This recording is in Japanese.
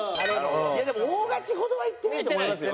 いやでも大勝ちほどはいってないと思いますよ。